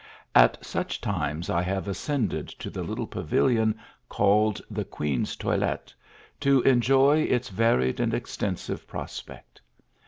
At such time I have ascended to the little pavilion, called the Oueen s Toilette, to enjoy its varied and extensive prospect.